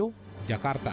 untuk mencapai kemampuan